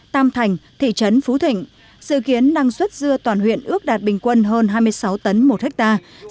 tam thành thị trấn phú thịnh sự kiến năng suất dưa toàn huyện ước đạt bình quân hơn hai mươi sáu tấn một hectare